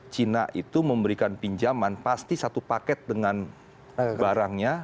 cina itu memberikan pinjaman pasti satu paket dengan barangnya